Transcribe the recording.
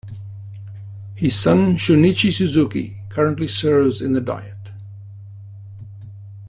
His son Shun'ichi Suzuki currently serves in the Diet.